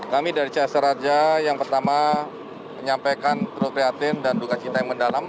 kami dari cahasa raja yang pertama menyampaikan prokreatin dan luka cinta yang mendalam